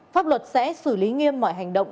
pháp luật sẽ xử lý nghiêm mọi hành động